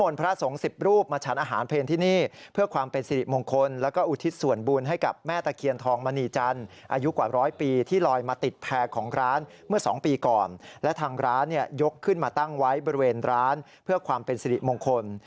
และทางร้านยกขึ้นมาตั้งไว้บริเวณร้านเพื่อความเป็นสิริมงคล